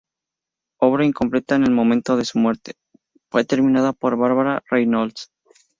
Obra incompleta en el momento de su muerte, fue terminada por Barbara Reynolds.